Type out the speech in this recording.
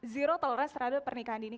zero tolerance terhadap pernikahan dini